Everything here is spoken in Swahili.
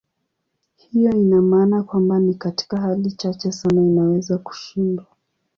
Hiyo ina maana kwamba ni katika hali chache sana inaweza kushindwa.